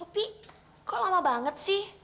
tapi kok lama banget sih